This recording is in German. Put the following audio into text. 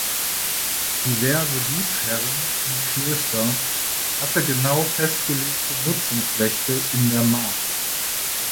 Diverse Gutsherren und Klöster hatte genau festgelegte Nutzungsrechte in der Mark.